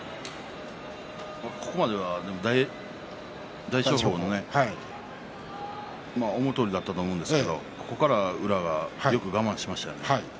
ここまでは大翔鵬の思うとおりだったと思うんですけどここから宇良がよく我慢しましたよね。